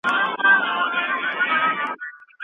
علماء بايد د کورني نظام په تنظيم کي برخه واخلي.